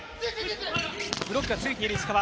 ブロックがついている石川。